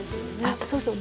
あそうそう。